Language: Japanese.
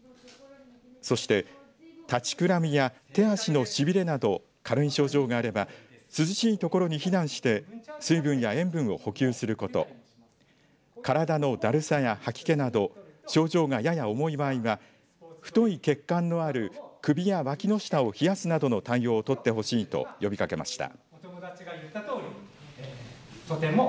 そして立ちくらみや手足のしびれなど軽い症状があれば涼しい所に避難して水分や塩分を補給すること体のだるさや吐き気など症状がやや重い場合は太い血管のある首や脇の下を冷やすなどの対応を取ってほしいと呼びかけました。